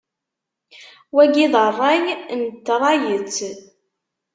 Wagi d ṛṛay n tṛayet.